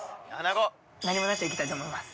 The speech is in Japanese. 何もなしでいきたいと思います